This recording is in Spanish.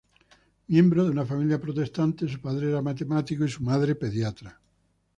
Miembro de una familia protestante; su padre era matemático y su madre pediatra.